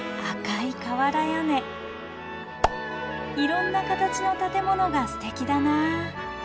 いろんな形の建物がすてきだな。